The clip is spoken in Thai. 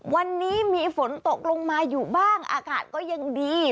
วันนี้มีฝนตกลงมาอยู่บ้างอากาศก็ยังดี